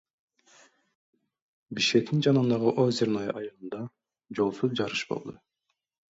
Бишкектин жанындагы Озерное айылында жолсуз жарыш болду.